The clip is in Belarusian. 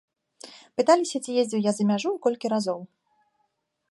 Пыталіся, ці ездзіў я за мяжу і колькі разоў.